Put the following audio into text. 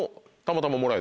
たまたま。